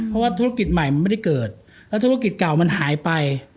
เพราะว่าธุรกิจใหม่มันไม่ได้เกิดแล้วธุรกิจเก่ามันหายไป